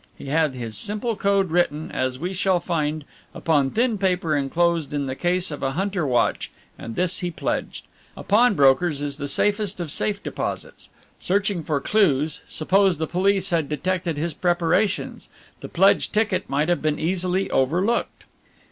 He had his simple code written, as we shall find, upon thin paper enclosed in the case of a hunter watch, and this he pledged. A pawnbroker's is the safest of safe deposits. Searching for clues, suppose the police had detected his preparations, the pledged ticket might have been easily overlooked."